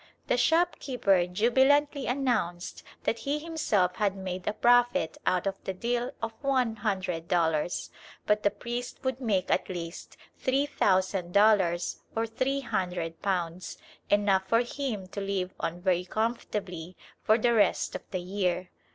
The shopkeeper jubilantly announced that he himself had made a profit out of the deal of one hundred dollars, but that the priest would make at least three thousand dollars or three hundred pounds, enough for him to live on very comfortably for the rest of the year.